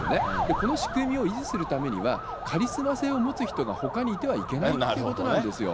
この仕組みを維持するためには、カリスマ性を持つ人がほかにいてはいけないということなんですよ。